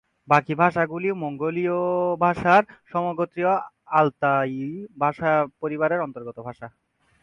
বাকী ভাষাগুলি মঙ্গোলীয় ভাষার সমগোত্রীয়, আলতায়ীয় ভাষাপরিবারের অন্তর্গত ভাষা।